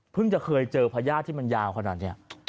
จะเคยเจอพญาติที่มันยาวขนาดนี้